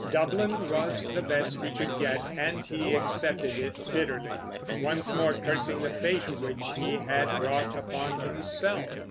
Dublin was the best he could get, and he accepted it bitterly, once more cursing the fate which he had brought upon himself.